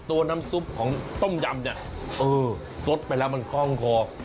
ตัวน้ำซุปของต้มยำเนี่ยเออสดไปแล้วมันคล่องคอ